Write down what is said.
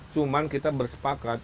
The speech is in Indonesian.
cuman kita bersepakat